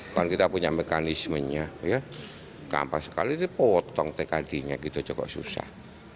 kami punya mekanismenya gampang sekali dipotong tkd nya cukup susah